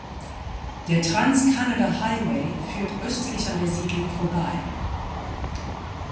Der Trans-Canada Highway führt östlich an der Siedlung vorbei.